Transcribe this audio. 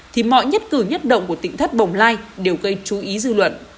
thì mọi nhất cử nhất động của tỉnh thất bồng lai đều gây chú ý dư luận